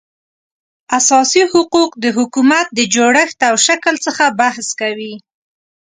اساسي حقوق د حکومت د جوړښت او شکل څخه بحث کوي